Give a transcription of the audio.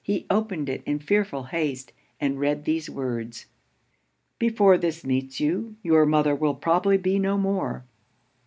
He opened it in fearful haste, and read these words 'Before this meets you, your mother will probably be no more.